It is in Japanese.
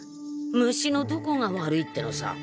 虫のどこが悪いってのさ？